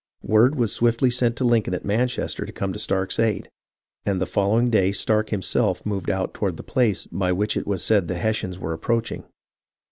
Word was swiftly sent to Lincoln at Manchester to come to Stark's aid, and the fol lowing day Stark himself moved out toward the place by which it was said the Hessians were approaching.